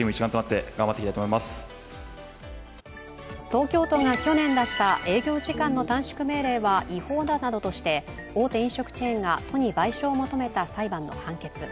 東京都が去年出した営業時間の短縮命令は違法だなどとして大手飲食チェーンが都に賠償を求めた裁判の判決。